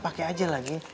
pakai aja lagi